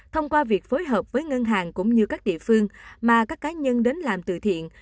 thông qua việc phối hợp với ngân hàng cũng như các địa phương mà các cá nhân đến làm từ thiện